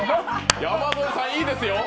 山添さん、いいですよ。